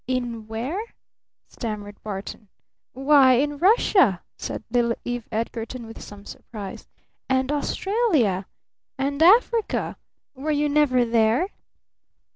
"In where?" stammered Barton. "Why in Russia!" said little Eve Edgarton with some surprise. "And Australia! And Africa! Were you never there?"